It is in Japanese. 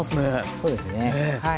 そうですねはい。